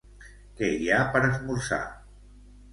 Què hi ha per esmorzar?